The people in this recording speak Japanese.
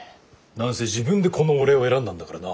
何せ自分でこの俺を選んだんだからな。